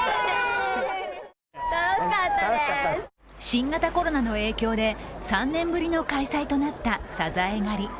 新型コロナの影響で３年ぶりの開催となったサザエ狩り。